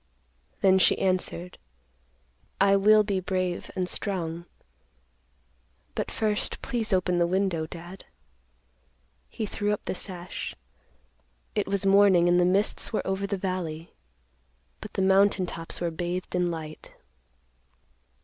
Then she answered, "I will be brave and strong. But first, please open the window, Dad." He threw up the sash. It was morning, and the mists were over the valley, but the mountain tops were bathed in light.